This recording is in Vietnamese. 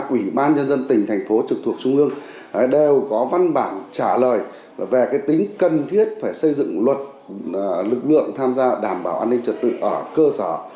một trăm sáu mươi ba ủy ban dân dân tỉnh thành phố trực thuộc trung ương đều có văn bản trả lời về tính cần thiết phải xây dựng luật lực lượng tham gia đảm bảo an ninh trật tự ở cơ sở